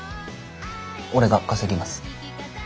俺が稼ぎます。